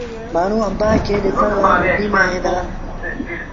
مآڻهوٚٚݩ آݩبآݩ کي ڏسڻ لآ منڊيٚ ميݩ ائيٚݩ دآ۔